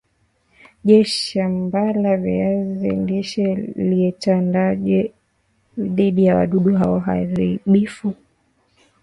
Je shambala viazi lishe liatalindwaje dhidi ya wadudu hao haribifu